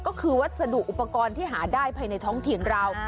ก็คือวัสดุอุปกรณ์ที่หาได้ภายในท้องถิ่นเรา